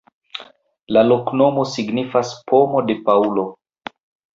La loknomo signifas: domo de Paŭlo.